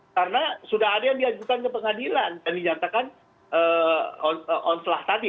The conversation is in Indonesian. karena sudah ada yang diajukan ke pengadilan dan dinyatakan onslah tadi